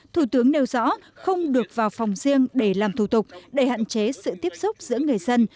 thủ tướng nêu rõ không được vào phòng riêng để làm thủ tục để hạn chế sự tiếp xúc giữa người dân